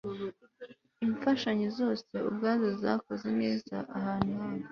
Imfashanyo zose ubwazo zakoze neza ahantu habo